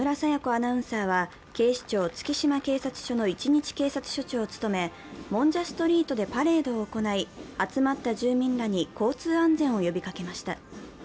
アナウンサーは警視庁・月島警察署の一日警察署長を務め、もんじゃストリートでパレードを行い集まった住民らに交通安全を呼びかけました。